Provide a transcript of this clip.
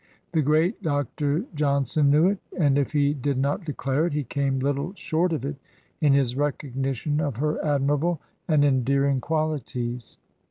The great Dr. John son knew it, and if he did not declare it, he came httle short of it in his recognition of her admirable and en dearing quaUties.